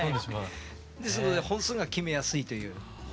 ですので本数が決めやすいという。